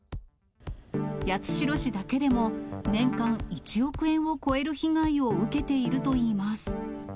八代市だけでも年間１億円を超える被害を受けているといいます。